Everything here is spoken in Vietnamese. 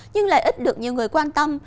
nhưng lại ít được nhiều người quan tâm